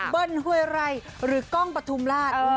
เบิ้ลฮวยไรหรือก้องปฐุมราช